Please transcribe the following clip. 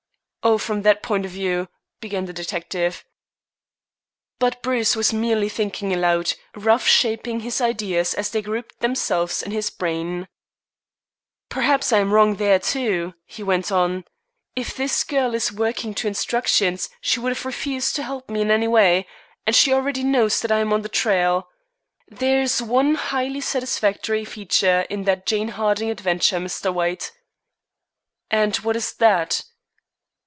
"Oh, from that point of view " began the detective. But Bruce was merely thinking aloud rough shaping his ideas as they grouped themselves in his brain. "Perhaps I am wrong there too," he went on. "If this girl is working to instructions she would have refused to help me in any way, and she already knows that I am on the trail. There is one highly satisfactory feature in the Jane Harding adventure, Mr. White." "And what is that?"